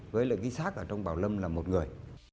với lại cái xác ở trong bảo lâm là một người